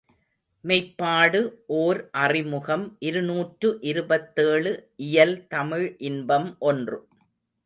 மெய்ப்பாடு ஓர் அறிமுகம் இருநூற்று இருபத்தேழு இயல் தமிழ் இன்பம் ஒன்று.